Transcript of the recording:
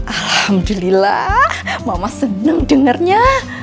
alhamdulillah mama seneng dengernya